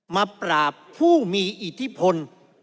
มาปราบผู้มีอิทธิพล